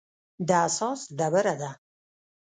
د اساس ډبره ده.